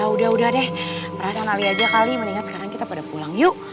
udah udah deh perasaan lali aja kali mendingan sekarang kita pada pulang yuk